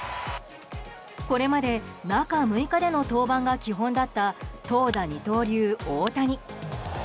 これまで中６日での登板が基本だった投打二刀流・大谷。